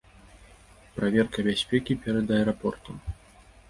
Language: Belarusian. Праверка бяспекі перад аэрапортам.